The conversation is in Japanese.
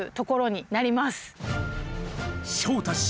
昇太師匠